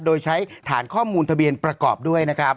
โดยใช้ฐานข้อมูลทะเบียนประกอบด้วยนะครับ